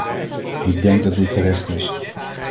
Ik denk dat dit terecht is.